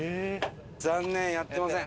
残念やってません。